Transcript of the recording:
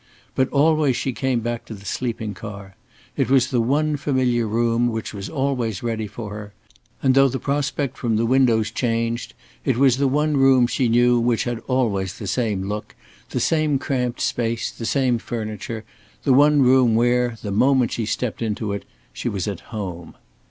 But always she came back to the sleeping car. It was the one familiar room which was always ready for her; and though the prospect from its windows changed, it was the one room she knew which had always the same look, the same cramped space, the same furniture the one room where, the moment she stepped into it, she was at home.